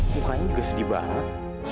mukanya juga sedih banget